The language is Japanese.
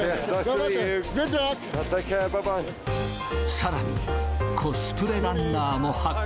さらに、コスプレランナーも発見。